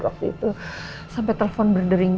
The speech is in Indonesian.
waktu itu sampai telepon berdering